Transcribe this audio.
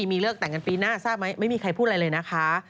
มีเลิกแต่งกันปีหน้าทราบไหมไม่มีใครพูดอะไรเลยนะคะ